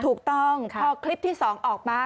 ถูกต้องพอคลิปที่๒ออกมา